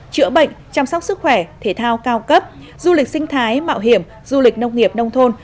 chữa bệnh chăm sóc sức khỏe thể thao cao cấp du lịch sinh thái mạo hiểm du lịch nông nghiệp nông thôn